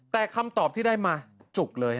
แต่คำตอบที่ได้มาจุกเลย